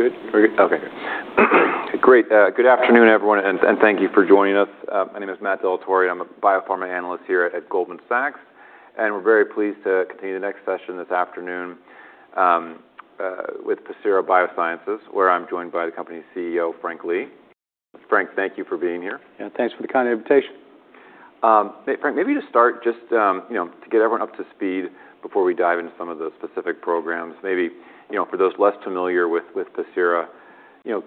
Good afternoon, everyone, and thank you for joining us. My name is Matt Dellatorre. I'm a biopharma analyst here at Goldman Sachs. We're very pleased to continue the next session this afternoon with Pacira BioSciences, where I'm joined by the company's CEO, Frank Lee. Frank, thank you for being here. Yeah, thanks for the kind invitation. Frank, maybe to start, just to get everyone up to speed before we dive into some of the specific programs, maybe for those less familiar with Pacira,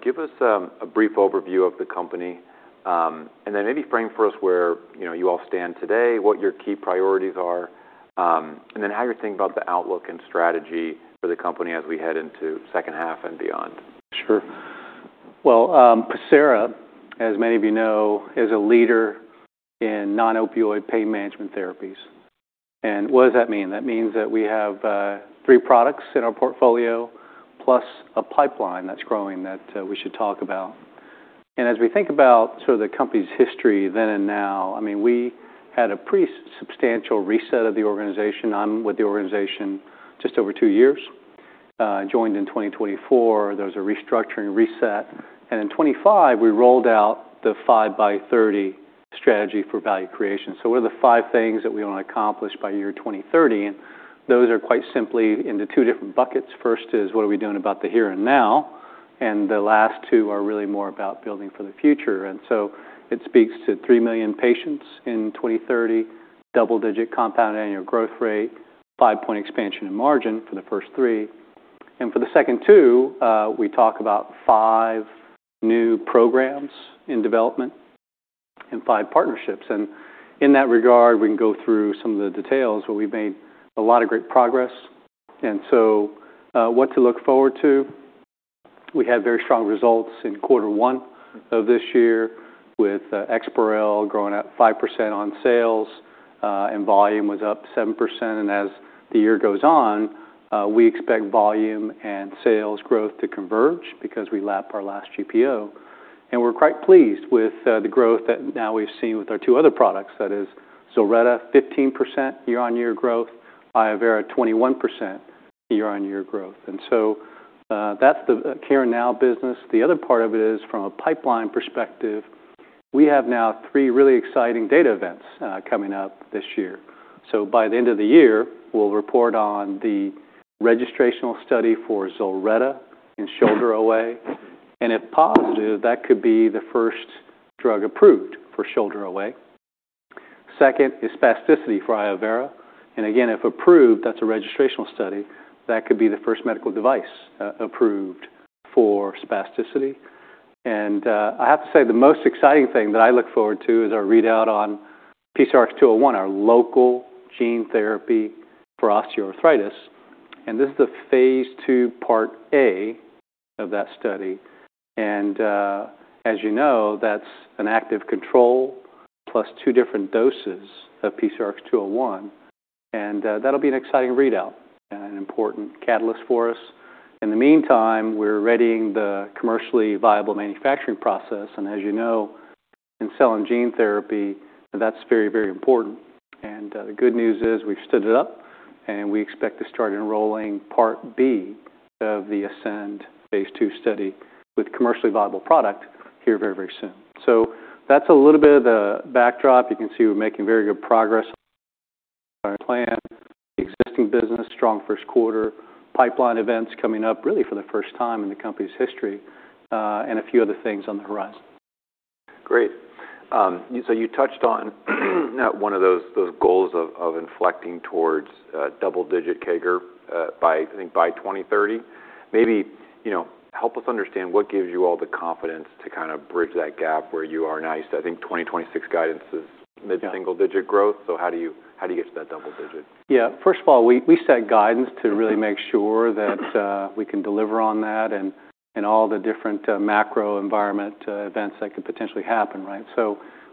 give us a brief overview of the company. Then maybe frame for us where you all stand today, what your key priorities are, then how you're thinking about the outlook and strategy for the company as we head into second half and beyond. Sure. Well, Pacira, as many of you know, is a leader in non-opioid pain management therapies. What does that mean? That means that we have three products in our portfolio, plus a pipeline that's growing that we should talk about. As we think about sort of the company's history then and now, we had a pretty substantial reset of the organization. I'm with the organization just over two years. I joined in 2024. There was a restructuring reset. In 2025, we rolled out the five by 30 strategy for value creation. What are the five things that we want to accomplish by year 2030? Those are quite simply into two different buckets. First is, what are we doing about the here and now? The last two are really more about building for the future. It speaks to 3 million patients in 2030, double-digit CAGR, five-point expansion in margin for the first three. For the second two, we talk about five new programs in development and five partnerships. In that regard, we can go through some of the details, but we've made a lot of great progress. What to look forward to, we had very strong results in quarter one of this year with EXPAREL growing at five percent on sales, and volume was up seven percent. As the year goes on, we expect volume and sales growth to converge because we lapped our last GPO. We're quite pleased with the growth that now we've seen with our two other products. That is ZILRETTA, 15% year-on-year growth. iovera, 21% year-on-year growth. That's the care now business. The other part of it is from a pipeline perspective, we have now three really exciting data events coming up this year. By the end of the year, we'll report on the registrational study for ZILRETTA in shoulder OA, and if positive, that could be the first drug approved for shoulder OA. Second is spasticity for iovera. Again, if approved, that's a registrational study. That could be the first medical device approved for spasticity. I have to say, the most exciting thing that I look forward to is our readout on PCRX-201, our local gene therapy for osteoarthritis. This is the phase II, part A of that study. As you know, that's an active control plus two different doses of PCRX-201, and that'll be an exciting readout and an important catalyst for us. In the meantime, we're readying the commercially viable manufacturing process, as you know, in cell and gene therapy, that's very important. The good news is we've stood it up, and we expect to start enrolling part B of the ASCEND phase II study with commercially viable product here very soon. That's a little bit of the backdrop. You can see we're making very good progress on our plan. Existing business, strong Q1. Pipeline events coming up really for the first time in the company's history. A few other things on the horizon. Great. You touched on one of those goals of inflecting towards double-digit CAGR, I think by 2030. Maybe help us understand what gives you all the confidence to kind of bridge that gap where you are now. I think 2026 guidance is mid-single-digit growth. How do you get to that double digit? Yeah. First of all, we set guidance to really make sure that we can deliver on that and all the different macro environment events that could potentially happen, right?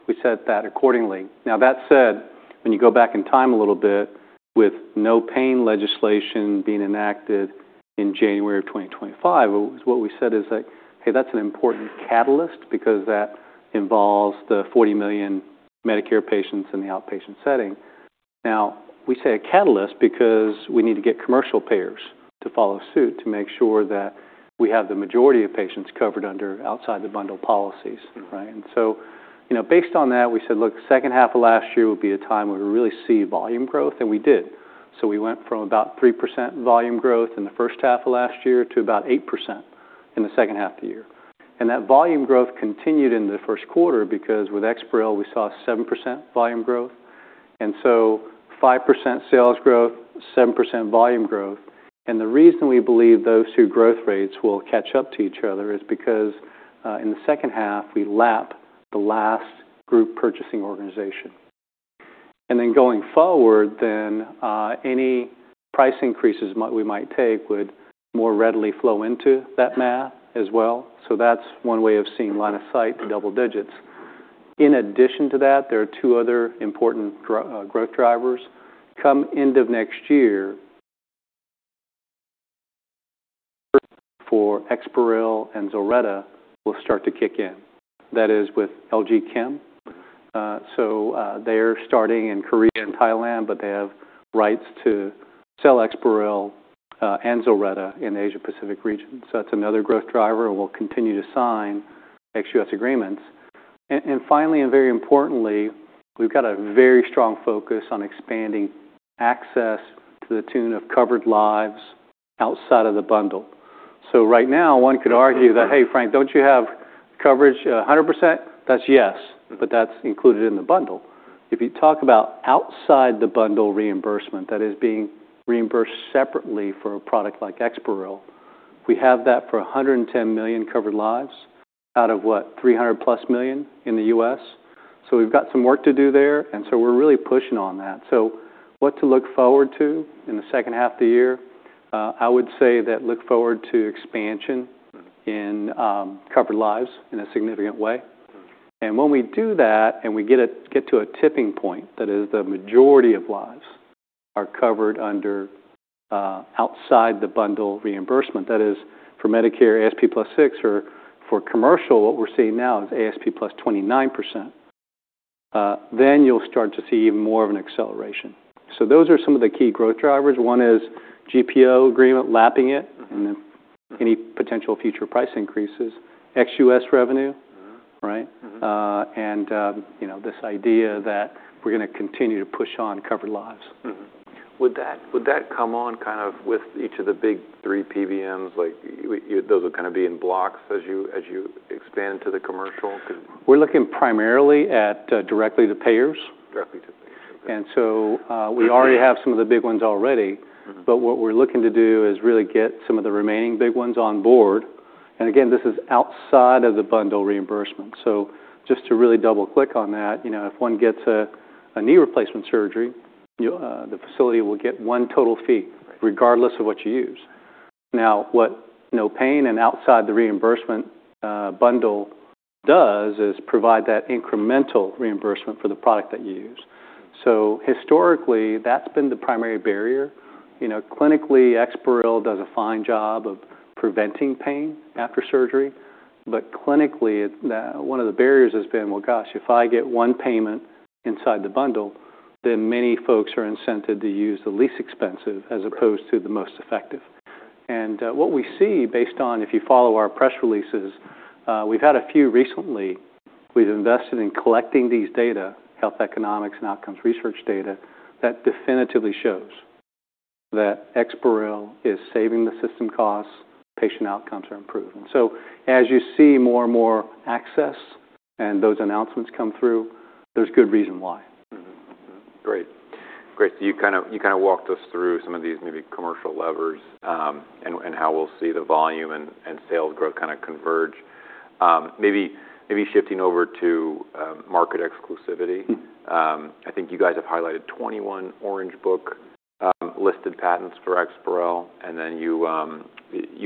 We set that accordingly. That said, when you go back in time a little bit with NOPAIN Act legislation being enacted in January of 2025, what we said is that, "Hey, that's an important catalyst because that involves the 40 million Medicare patients in the outpatient setting." Now we say a catalyst because we need to get commercial payers to follow suit to make sure that we have the majority of patients covered under outside the bundle policies, right? Based on that, we said, look, second half of last year would be a time where we really see volume growth, and we did. We went from about three percent volume growth in the first half of last year to about eight percent in the second half of the year. That volume growth continued into the Q1 because with EXPAREL, we saw seven percent volume growth. five percent sales growth, seven percent volume growth. The reason we believe those two growth rates will catch up to each other is because in the second half, we lap the last group purchasing organization. Going forward then, any price increases we might take would more readily flow into that math as well. That's one way of seeing line of sight to double digits. In addition to that, there are two other important growth drivers. Come end of next year for EXPAREL and ZILRETTA will start to kick in. That is with LG Chem. They're starting in Korea and Thailand, but they have rights to sell EXPAREL and ZILRETTA in the Asia-Pacific region. That's another growth driver, and we'll continue to sign ex-U.S. agreements. Finally, and very importantly, we've got a very strong focus on expanding access to the tune of covered lives outside of the bundle. Right now, one could argue that, "Hey, Frank, don't you have coverage at 100%?" That's yes, but that's included in the bundle. If you talk about outside the bundle reimbursement, that is being reimbursed separately for a product like EXPAREL, we have that for 110 million covered lives out of what? 300 plus million in the U.S. We've got some work to do there, and we're really pushing on that. What to look forward to in the second half of the year? I would say that look forward to expansion in covered lives in a significant way. When we do that and we get to a tipping point, that is the majority of lives are covered under outside the bundle reimbursement, that is for Medicare, ASP+ six or for commercial. What we're seeing now is ASP+ 29%. You'll start to see even more of an acceleration. Those are some of the key growth drivers. One is GPO agreement. Any potential future price increases, ex-U.S. revenue. Right? This idea that we're going to continue to push on covered lives. Would that come on kind of with each of the big three PBMs? Those would kind of be in blocks as you expand to the commercial? We're looking primarily at directly to payers. Directly to payers, okay. We already have some of the big ones already. What we're looking to do is really get some of the remaining big ones on board. And again, this is outside of the bundle reimbursement. Just to really double-click on that, if one gets a knee replacement surgery, the facility will get one total fee- Right Regardless of what you use. What NOPAIN Act and outside the reimbursement bundle does is provide that incremental reimbursement for the product that you use. Historically, that's been the primary barrier. Clinically, EXPAREL does a fine job of preventing pain after surgery. Clinically, one of the barriers has been, well, gosh, if I get one payment inside the bundle, then many folks are incented to use the least expensive as opposed to the most effective. What we see based on if you follow our press releases, we've had a few recently. We've invested in collecting these data, health economics and outcomes research data, that definitively shows that EXPAREL is saving the system costs, patient outcomes are improving. As you see more and more access and those announcements come through, there's good reason why. Great. You kind of walked us through some of these maybe commercial levers and how we'll see the volume and sales growth kind of converge. Maybe shifting over to market exclusivity. I think you guys have highlighted 21 Orange Book listed patents for EXPAREL, then you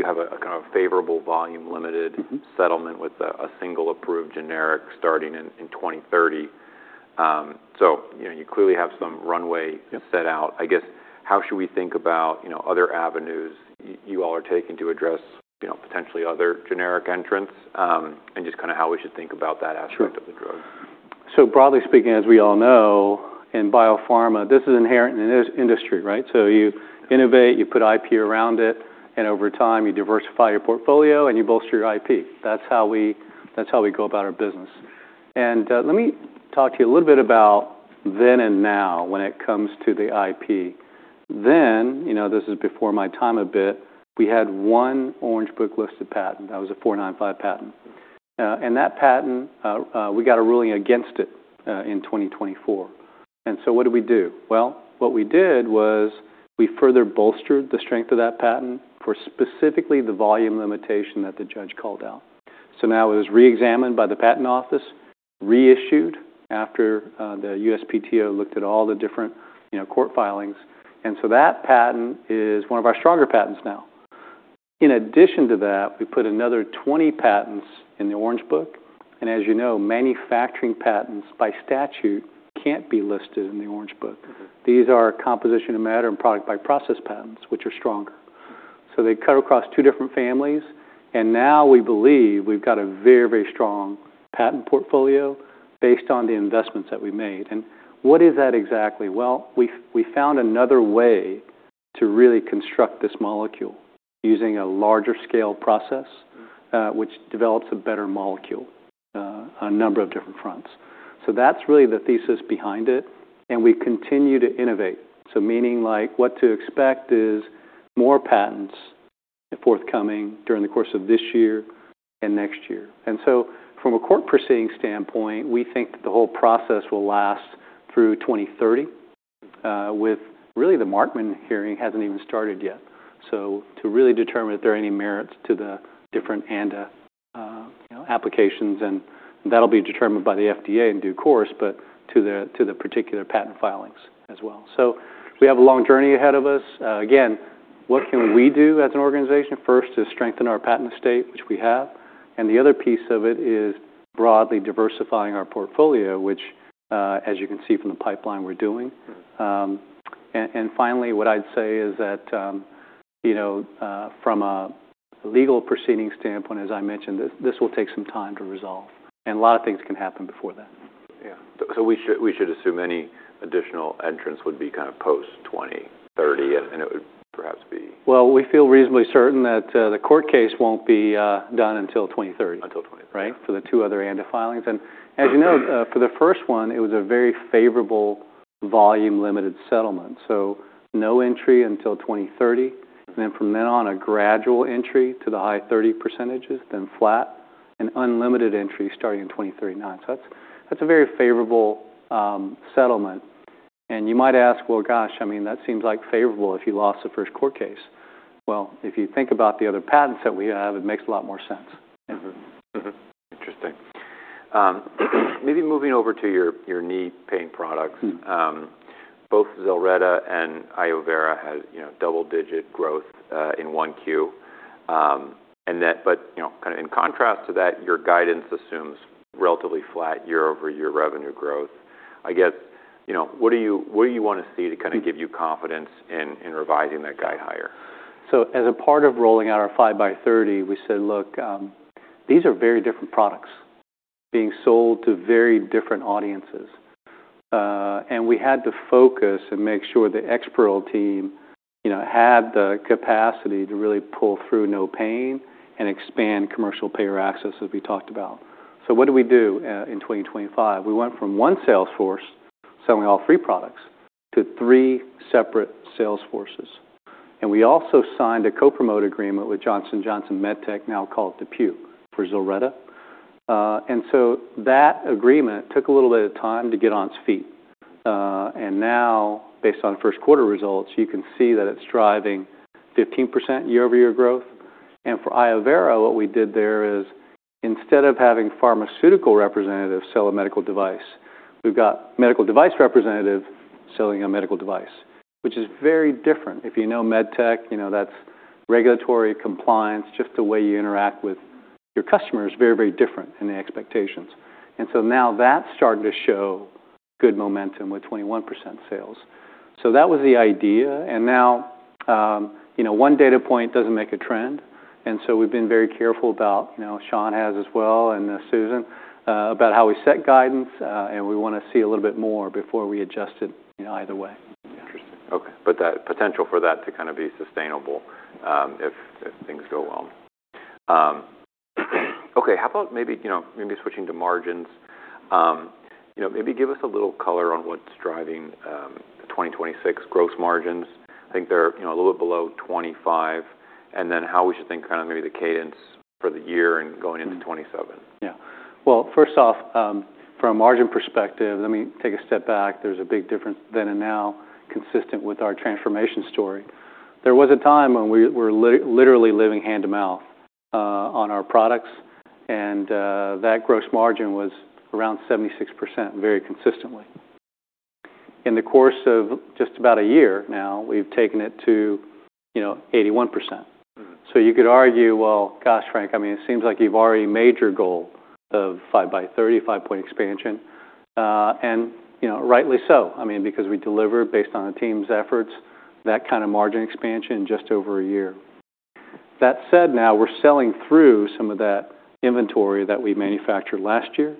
have a kind of favorable volume limited- settlement with a single approved generic starting in 2030. You clearly have some runway set out. I guess, how should we think about other avenues you all are taking to address potentially other generic entrants, and just kind of how we should think about that aspect of the drug? Sure. Broadly speaking, as we all know, in biopharma, this is inherent in this industry, right? You innovate, you put IP around it, and over time you diversify your portfolio and you bolster your IP. That's how we go about our business. Let me talk to you a little bit about then and now when it comes to the IP. Then, this is before my time a bit, we had one Orange Book listed patent. That was a 495 patent. That patent, we got a ruling against it in 2024. What did we do? Well, what we did was we further bolstered the strength of that patent for specifically the volume limitation that the judge called out. Now it was re-examined by the patent office, reissued after the USPTO looked at all the different court filings, that patent is one of our stronger patents now. In addition to that, we put another 20 patents in the Orange Book, and as you know, manufacturing patents by statute can't be listed in the Orange Book. These are composition of matter and product by process patents, which are stronger. They cut across two different families, and now we believe we've got a very strong patent portfolio based on the investments that we made. What is that exactly? Well, we found another way to really construct this molecule using a larger scale process. which develops a better molecule on a number of different fronts. That is really the thesis behind it, and we continue to innovate. What to expect is more patents forthcoming during the course of this year and next year. From a court proceeding standpoint, we think that the whole process will last through 2030, with really the Markman hearing hasn't even started yet. To really determine if there are any merits to the different ANDA applications, and that will be determined by the FDA in due course, but to the particular patent filings as well. We have a long journey ahead of us. Again, what can we do as an organization? First is strengthen our patent estate, which we have, and the other piece of it is broadly diversifying our portfolio, which as you can see from the pipeline we are doing. Right. Finally, what I would say is that. From a legal proceeding standpoint, as I mentioned, this will take some time to resolve, and a lot of things can happen before then. Yeah. We should assume any additional entrants would be post 2030, and it would perhaps. Well, we feel reasonably certain that the court case won't be done until 2030. Until 2030. Right. For the two other ANDA filings. For- For the first one, it was a very favorable volume limited settlement. No entry until 2030, and then from then on, a gradual entry to the high 30%, then flat, and unlimited entry starting in 2039. That's a very favorable settlement. You might ask, "Well, gosh, I mean, that seems favorable if you lost the first court case." Well, if you think about the other patents that we have, it makes a lot more sense. Interesting. Maybe moving over to your knee pain products. Both ZILRETTA and iovera has double-digit growth in 1Q. In contrast to that, your guidance assumes relatively flat year-over-year revenue growth. I guess, what do you want to see to give you confidence in revising that guide higher? As a part of rolling out our five by 30, we said, "Look, these are very different products being sold to very different audiences." We had to focus and make sure the EXPAREL team had the capacity to really pull through NOPAIN and expand commercial payer access, as we talked about. What did we do in 2025? We went from one sales force selling all three products to three separate sales forces. We also signed a co-promote agreement with Johnson & Johnson MedTech, now called DePuy, for ZILRETTA. That agreement took a little bit of time to get on its feet. Now based on Q1 results, you can see that it's driving 15% year-over-year growth. For iovera, what we did there is instead of having pharmaceutical representatives sell a medical device, we've got medical device representatives selling a medical device, which is very different. If you know MedTech, you know that's regulatory compliance, just the way you interact with your customer is very different in the expectations. Now that's starting to show good momentum with 21% sales. That was the idea. Now one data point doesn't make a trend, we've been very careful about, Shawn has as well, and Susan, about how we set guidance, and we want to see a little bit more before we adjust it either way. Interesting. Okay. Potential for that to be sustainable if things go well. Okay. How about maybe switching to margins. Maybe give us a little color on what's driving 2026 gross margins. I think they're a little bit below 25%, and then how we should think maybe the cadence for the year and going into 2027. Well, first off, from a margin perspective, let me take a step back. There's a big difference then and now consistent with our transformation story. There was a time when we were literally living hand-to-mouth on our products, and that gross margin was around 76% very consistently. In the course of just about a year now, we've taken it to 81%. You could argue, "Well, gosh, Frank, I mean, it seems like you've already made your goal of five by 30, five-point expansion." Rightly so because we delivered based on the team's efforts, that kind of margin expansion in just over a year. That said, now we're selling through some of that inventory that we manufactured last year,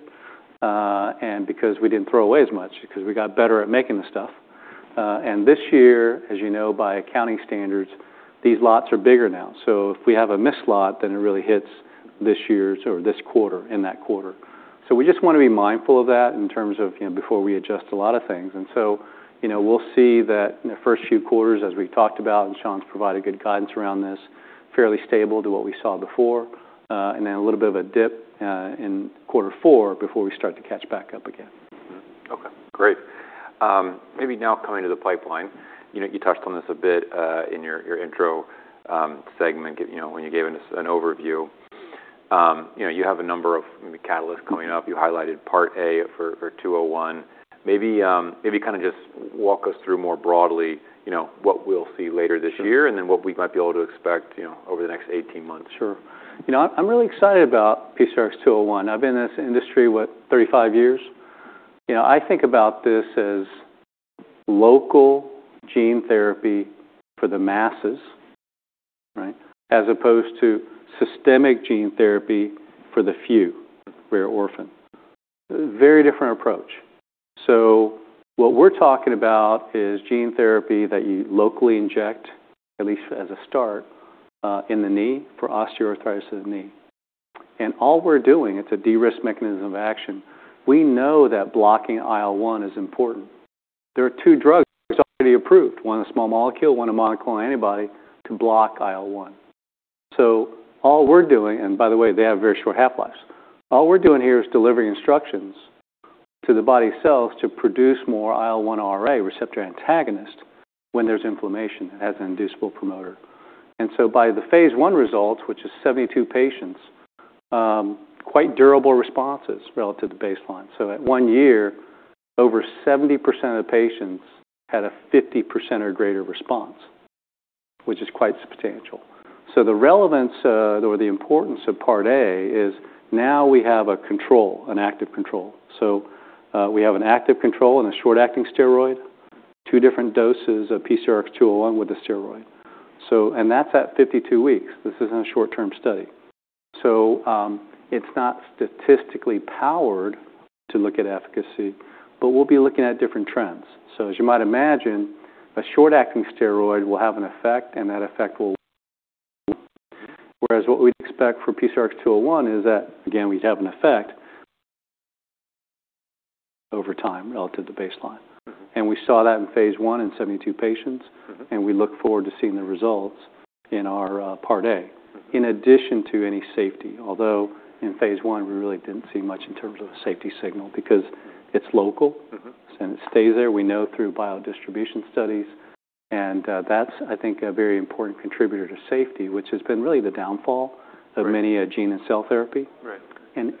and because we didn't throw away as much because we got better at making the stuff. This year, as you know, by accounting standards, these lots are bigger now. If we have a missed lot, then it really hits this year's or this quarter in that quarter. We just want to be mindful of that in terms of before we adjust a lot of things. We'll see that in the first few quarters as we've talked about, and Shawn's provided good guidance around this, fairly stable to what we saw before. A little bit of a dip in quarter four before we start to catch back up again. Okay, great. Maybe now coming to the pipeline. You touched on this a bit in your intro segment when you gave us an overview. You have a number of maybe catalysts coming up. You highlighted Part A for 201. Maybe just walk us through more broadly what we'll see later this year and then what we might be able to expect over the next 18 months. Sure. I'm really excited about PCRX-201. I've been in this industry, what, 35 years. I think about this as local gene therapy for the masses, right, as opposed to systemic gene therapy for the few, rare orphan. Very different approach. What we're talking about is gene therapy that you locally inject, at least as a start, in the knee for osteoarthritis of the knee. All we're doing, it's a de-risk mechanism of action. We know that blocking IL-1 is important. There are two drugs already approved, one a small molecule, one a monoclonal antibody, to block IL-1. All we're doing here is delivering instructions to the body's cells to produce more IL-1RA, receptor antagonist, when there's inflammation. It has an inducible promoter. By the phase I results, which is 72 patients, quite durable responses relative to baseline. At one year, over 70% of the patients had a 50% or greater response, which is quite substantial. The relevance or the importance of Part A is now we have a control, an active control. We have an active control and a short-acting steroid, two different doses of PCRX-201 with the steroid. That's at 52 weeks. This isn't a short-term study. It's not statistically powered to look at efficacy, but we'll be looking at different trends. As you might imagine, a short-acting steroid will have an effect, and that effect will Whereas what we'd expect for PCRX-201 is that, again, we'd have an effect over time relative to baseline. We saw that in Phase I in 72 patients. We look forward to seeing the results in our Part A. In addition to any safety, although in phase I, we really didn't see much in terms of a safety signal because it's local. It stays there. We know through biodistribution studies, and that's, I think, a very important contributor to safety, which has been really the downfall of many a gene and cell therapy. Right.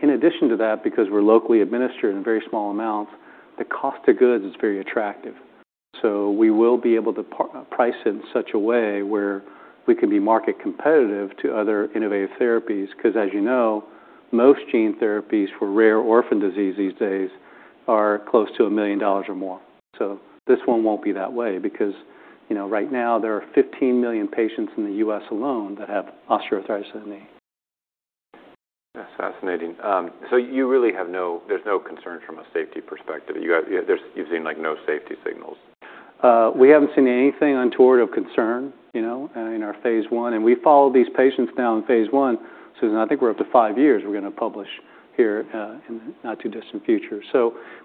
In addition to that, because we're locally administered in very small amounts, the cost of goods is very attractive. We will be able to price in such a way where we can be market competitive to other innovative therapies, because as you know, most gene therapies for rare orphan disease these days are close to $1 million or more. This one won't be that way because right now, there are 15 million patients in the U.S. alone that have osteoarthritis in the knee. That's fascinating. There's no concerns from a safety perspective. You've seen no safety signals? We haven't seen anything untoward of concern in our phase I, we follow these patients now in phase I. I think we're up to five years, we're going to publish here in the not-too-distant future.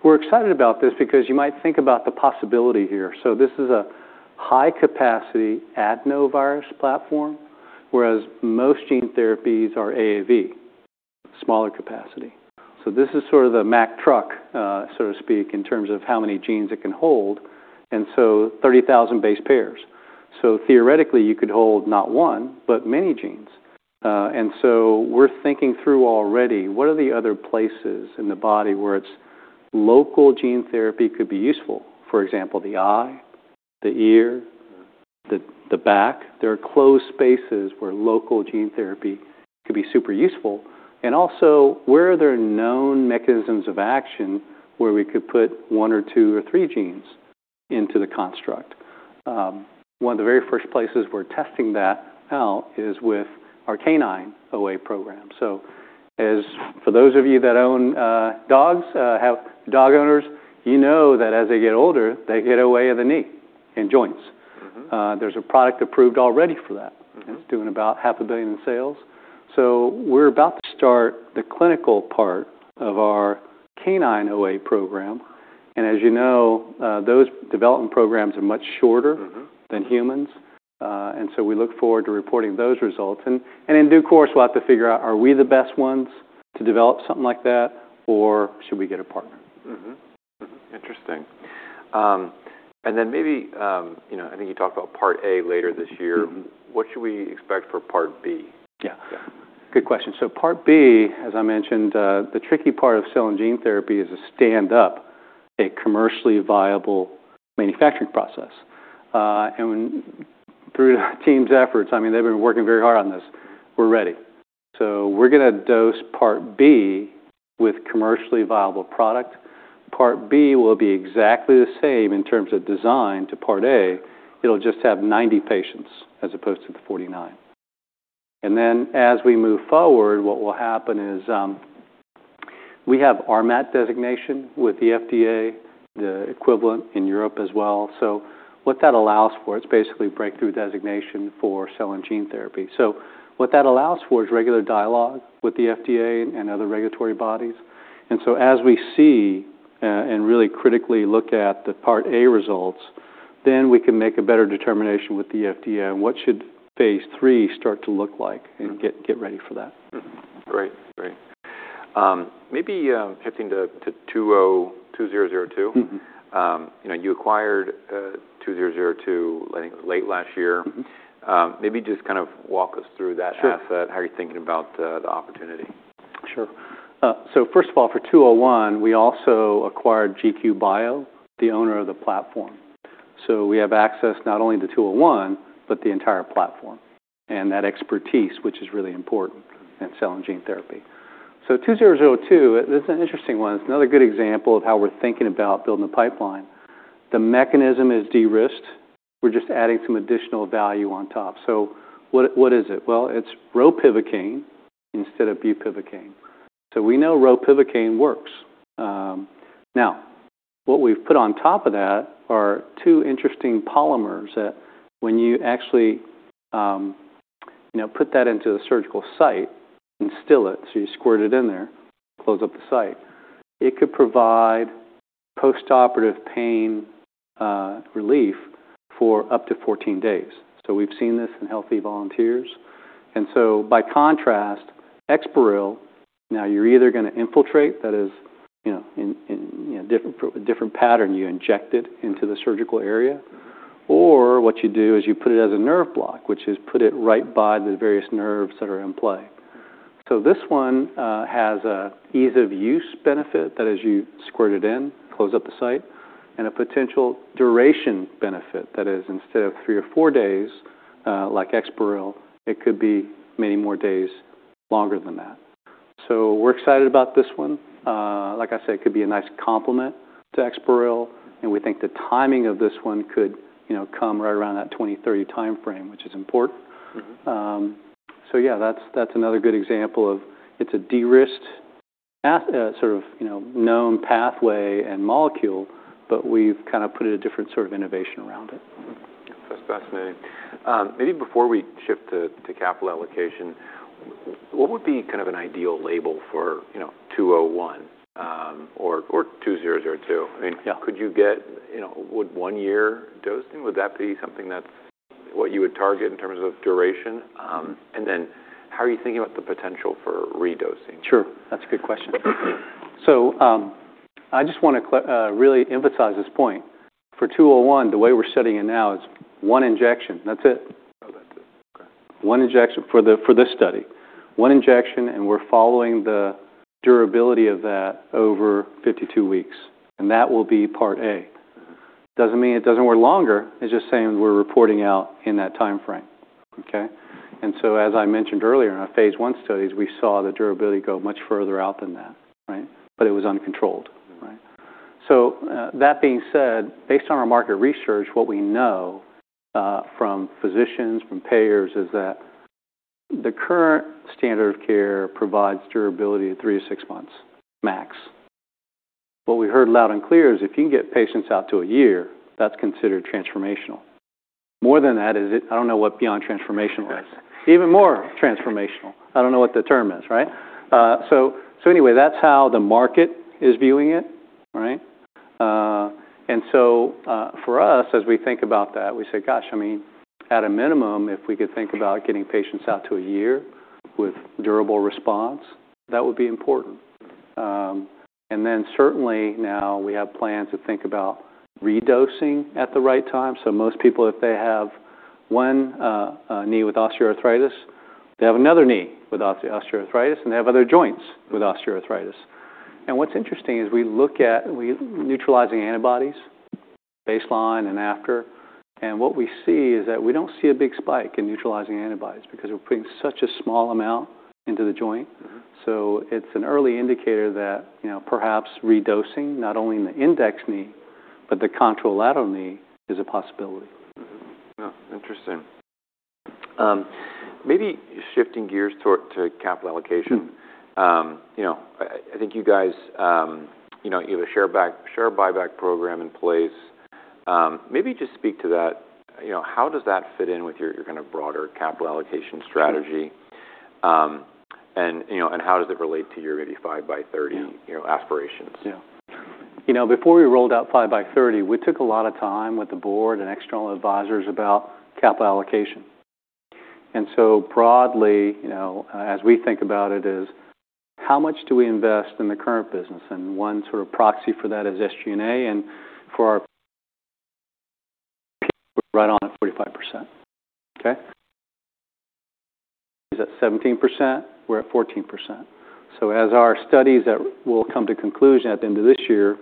We're excited about this because you might think about the possibility here. This is a high capacity adenovirus platform, whereas most gene therapies are AAV, smaller capacity. This is the Mack truck, so to speak, in terms of how many genes it can hold, 30,000 base pairs. Theoretically, you could hold not one, but many genes. We're thinking through already, what are the other places in the body where its local gene therapy could be useful? For example, the eye, the ear. The back. There are closed spaces where local gene therapy could be super useful, and also where there are known mechanisms of action where we could put one or two or three genes into the construct. One of the very first places we're testing that now is with our canine OA program. For those of you that own dogs, dog owners, you know that as they get older, they get OA of the knee and joints. There's a product approved already for that. It's doing about half a billion in sales. We're about to start the clinical part of our canine OA program, as you know, those development programs are much shorter- than humans. We look forward to reporting those results. In due course, we'll have to figure out, are we the best ones to develop something like that, or should we get a partner? Mm-hmm. Interesting. Maybe, I think you talked about Part A later this year. What should we expect for Part B? Yeah. Yeah. Good question. Part B, as I mentioned, the tricky part of cell and gene therapy is to stand up a commercially viable manufacturing process. Through the team's efforts, they've been working very hard on this, we're ready. We're going to dose Part B with commercially viable product. Part B will be exactly the same in terms of design to Part A. It'll just have 90 patients as opposed to the 49. As we move forward, what will happen is we have RMAT designation with the FDA, the equivalent in Europe as well. What that allows for, it's basically breakthrough designation for cell and gene therapy. What that allows for is regular dialogue with the FDA and other regulatory bodies. As we see and really critically look at the Part A results, we can make a better determination with the FDA on what should phase III start to look like and get ready for that. Great. Maybe pivoting to PCRX-2002. You acquired PCRX-2002, I think, late last year. Maybe just walk us through that asset. Sure. How are you thinking about the opportunity? Sure. First of all, for PCRX-201, we also acquired GQ Bio, the owner of the platform. We have access not only to PCRX-201, but the entire platform, and that expertise, which is really important in cell and gene therapy. PCRX-2002, that's an interesting one. It's another good example of how we're thinking about building a pipeline. The mechanism is de-risked. We're just adding some additional value on top. What is it? It's ropivacaine instead of bupivacaine. We know ropivacaine works. Now, what we've put on top of that are two interesting polymers that when you actually put that into the surgical site, instill it, you squirt it in there, close up the site, it could provide postoperative pain relief for up to 14 days. We've seen this in healthy volunteers. By contrast, EXPAREL, now you're either going to infiltrate, that is in a different pattern, you inject it into the surgical area, or what you do is you put it as a nerve block, which is put it right by the various nerves that are in play. This one has a ease of use benefit that as you squirt it in, close up the site, and a potential duration benefit. That is, instead of three or four days like EXPAREL, it could be many more days longer than that. We're excited about this one. Like I said, it could be a nice complement to EXPAREL, and we think the timing of this one could come right around that 2030 timeframe, which is important. Yeah, that's another good example of it's a de-risked sort of known pathway and molecule, but we've kind of put a different sort of innovation around it. That's fascinating. Maybe before we shift to capital allocation, what would be kind of an ideal label for 201 or PCRX-2002? Yeah. Would one year dosing, would that be something that's what you would target in terms of duration? How are you thinking about the potential for re-dosing? Sure. That's a good question. I just want to really emphasize this point. For 201, the way we're studying it now is one injection, that's it. Oh, that's it. Okay. One injection for this study. One injection, we're following the durability of that over 52 weeks, that will be part A. Doesn't mean it doesn't work longer, it's just saying we're reporting out in that timeframe. Okay? As I mentioned earlier, in our phase I studies, we saw the durability go much further out than that, right? It was uncontrolled. That being said, based on our market research, what we know from physicians, from payers, is that the current standard of care provides durability of 3-6 months max. What we heard loud and clear is if you can get patients out to a year, that's considered transformational. More than that, I don't know what beyond transformational is. Right. Even more transformational. I don't know what the term is, right? Anyway, that's how the market is viewing it. Right. For us, as we think about that, we say, gosh, at a minimum, if we could think about getting patients out to a year with durable response, that would be important. Certainly now we have plans to think about re-dosing at the right time. Most people, if they have one knee with osteoarthritis, they have another knee with osteoarthritis, and they have other joints with osteoarthritis. What's interesting is we look at neutralizing antibodies baseline and after, and what we see is that we don't see a big spike in neutralizing antibodies because we're putting such a small amount into the joint. It's an early indicator that perhaps re-dosing not only in the index knee, but the contralateral knee, is a possibility. Mm-hmm. Yeah, interesting. Maybe shifting gears to capital allocation. I think you guys have a share buyback program in place. Maybe just speak to that. How does that fit in with your kind of broader capital allocation strategy? How does it relate to your maybe five by 30? Yeah aspirations? Yeah. Before we rolled out five by 30, we took a lot of time with the board and external advisors about capital allocation. Broadly, as we think about it, is how much do we invest in the current business? One sort of proxy for that is SG&A, and for our we're right on at 45%. Okay? is at 17%, we're at 14%. As our studies that will come to conclusion at the end of this year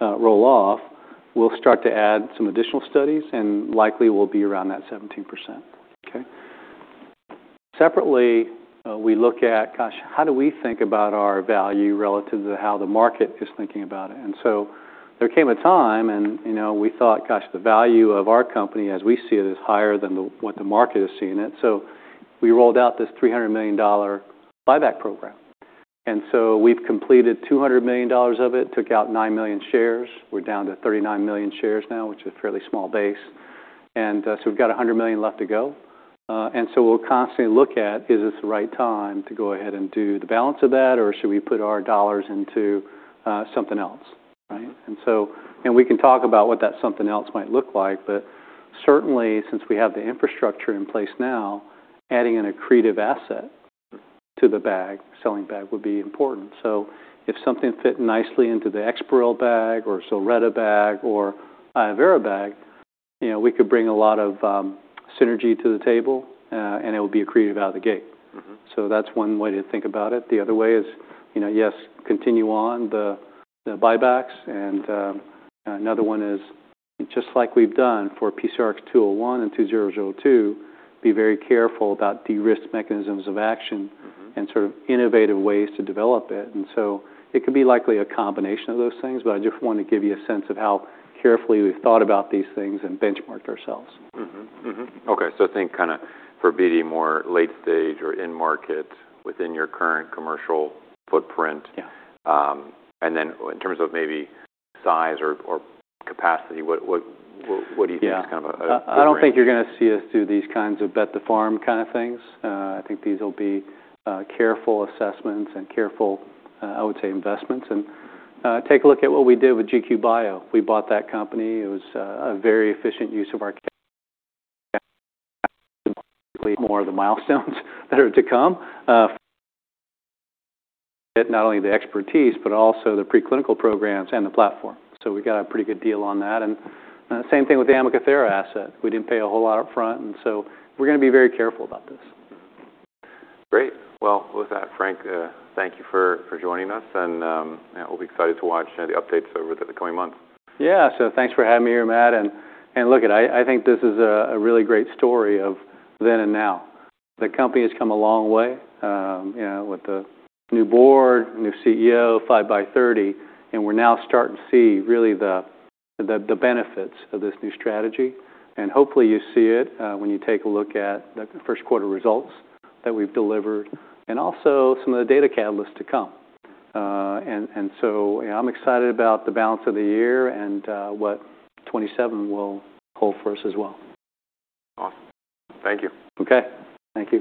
roll off, we'll start to add some additional studies, and likely we'll be around that 17%. Okay? Separately, we look at, gosh, how do we think about our value relative to how the market is thinking about it? There came a time and we thought, gosh, the value of our company, as we see it, is higher than what the market is seeing it. We rolled out this $300 million buyback program, we've completed $200 million of it, took out 9 million shares. We're down to 39 million shares now, which is a fairly small base. We've got $100 million left to go. We'll constantly look at is this the right time to go ahead and do the balance of that, or should we put our dollars into something else, right? We can talk about what that something else might look like. Certainly since we have the infrastructure in place now, adding an accretive asset to the bag, selling bag, would be important. If something fit nicely into the EXPAREL bag or ZILRETTA bag or iovera bag, we could bring a lot of synergy to the table, and it would be accretive out of the gate. That's one way to think about it. The other way is, yes, continue on the buybacks. Another one is, just like we've done for PCRX-201 and PCRX-2002, be very careful about de-risked mechanisms of action. sort of innovative ways to develop it. So it could be likely a combination of those things, but I just want to give you a sense of how carefully we've thought about these things and benchmarked ourselves. Okay. Think kind of for BD more late stage or in market within your current commercial footprint. Yeah. Then in terms of maybe size or capacity, what do you think- Yeah is kind of a range? I don't think you're going to see us do these kinds of bet the farm kind of things. I think these will be careful assessments and careful, I would say, investments. Take a look at what we did with GQ Bio. We bought that company. It was a very efficient use of our more of the milestones that are to come, not only the expertise, but also the preclinical programs and the platform. We got a pretty good deal on that. Same thing with the AmacaThera asset. We didn't pay a whole lot upfront, and so we're going to be very careful about this. Great. Well, with that, Frank, thank you for joining us, and we'll be excited to watch the updates over the coming months. Yeah. Thanks for having me here, Matt. Look, I think this is a really great story of then and now. The company has come a long way with the new board, new CEO, 5 by 30, and we're now starting to see really the benefits of this new strategy. Hopefully you see it when you take a look at the Q1 results that we've delivered and also some of the data catalysts to come. I'm excited about the balance of the year and what 2027 will hold for us as well. Awesome. Thank you. Okay. Thank you.